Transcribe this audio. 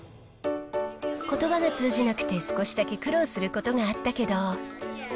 ことばが通じなくて、少しだけ苦労することがあったけど。